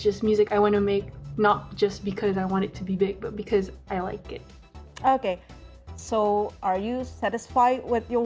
jadi musik yang aku buat sekarang bukan hanya karena aku ingin membuatnya besar tapi karena aku suka